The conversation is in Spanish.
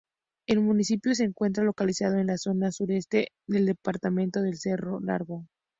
El municipio se encuentra localizado en la zona sur-este del departamento de Cerro Largo.